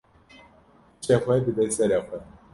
Hişê xwe bide serê xwe.